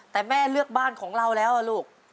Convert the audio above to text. แต่แม่เลือกบ้านของเราแล้วลูก